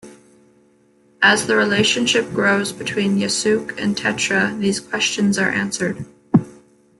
As the relationship grows between Yusuke and Tetra, these questions are answered.